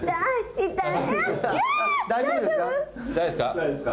大丈夫ですか？